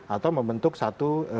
atau membentuk satu